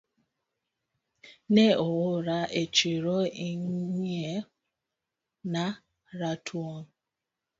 Ne oora e chiro ing'iew na ratuon